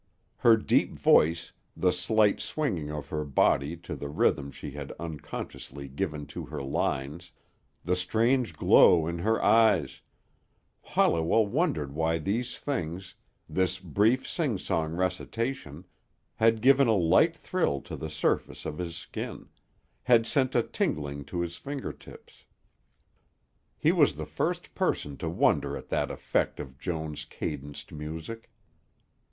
Her deep voice, the slight swinging of her body to the rhythm she had unconsciously given to her lines, the strange glow in her eyes ... Holliwell wondered why these things, this brief, sing song recitation, had given a light thrill to the surface of his skin, had sent a tingling to his fingertips. He was the first person to wonder at that effect of Joan's cadenced music.